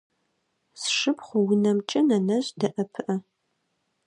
Сшыпхъу унэмкӏэ нэнэжъ дэӏэпыӏэ.